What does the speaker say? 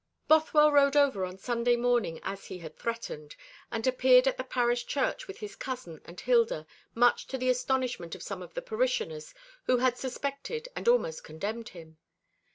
Bothwell rode over on Sunday morning as he had threatened, and appeared at the parish church with his cousin and Hilda, much to the astonishment of some of the parishioners who had suspected and almost condemned him.